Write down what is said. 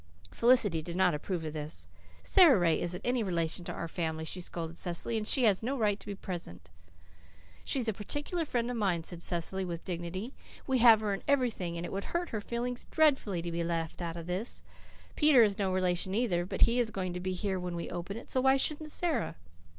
Felicity did not approve of this. "Sara Ray isn't any relation to our family," she scolded to Cecily, "and she has no right to be present." "She's a particular friend of mine," said Cecily with dignity. "We have her in everything, and it would hurt her feelings dreadfully to be left out of this. Peter is no relation either, but he is going to be here when we open it, so why shouldn't Sara?"